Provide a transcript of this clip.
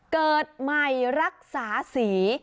เกิดใหม่รักษาสี